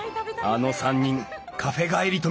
あの３人カフェ帰りとみた！